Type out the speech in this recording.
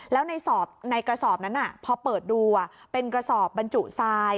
แล้วในกระสอบนั้นพอเปิดดูเป็นกระสอบบรรจุทราย